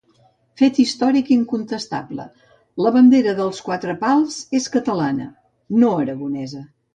Fet històric incontestable: la bandera dels Quatre Pals és catalana, no aragonesa.